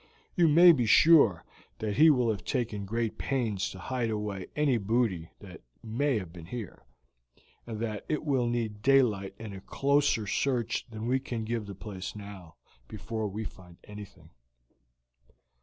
You may be sure that he will have taken great pains to hide away any booty that he may have here, and that it will need daylight and a closer search than we can give the place now, before we find anything."